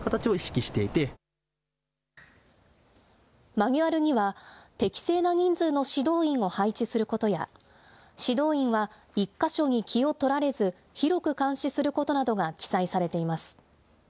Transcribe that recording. マニュアルには、適正な人数の指導員を配置することや、指導員は１か所に気を取られず、広く監視することなどが記載されています。